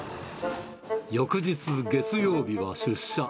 翌日月曜日は出社。